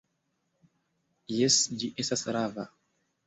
Jes, ĝi estas rava!